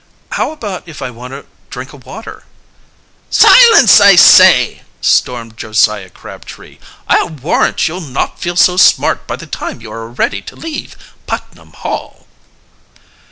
"How about if I want a drink of water?" "Silence, I say!" stormed Josiah Crabtree. "I'll warrant you'll not feel so smart by the time you are ready to leave Putnam Hall."